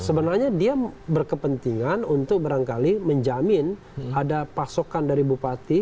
sebenarnya dia berkepentingan untuk barangkali menjamin ada pasokan dari bupati